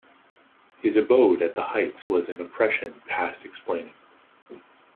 His abode at the Heights was an oppression past explaining.